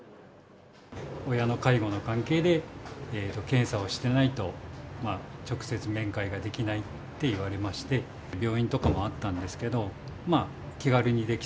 親の介護の関係で、検査をしてないと、直接面会ができないって言われまして、病院とかもあったんですけ